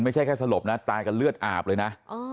ไม่ใช่แค่สลบนะตายกันเลือดอาบเลยนะ